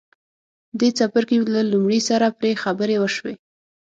دې څپرکي له لومړي سره پرې خبرې وشوې.